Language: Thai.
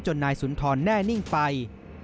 นายสุนทรแน่นิ่งไป